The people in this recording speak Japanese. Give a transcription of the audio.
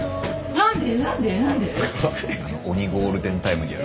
何で？